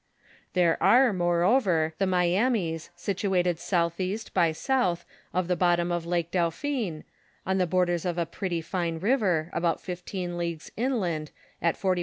There are, moreover, the Miamis sit uated southeast by south of the bottom of Lake Dauphin, on the bordera of a pretty fine river, about fifteen leagues inland at 41° N".